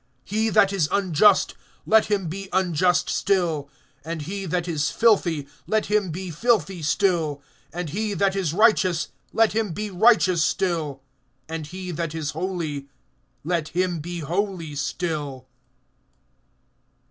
(11)He that is unjust, let him be unjust still; and he that is filthy, let him be filthy still; and he that is righteous, let him be righteous still; and he that is holy, let him be holy still.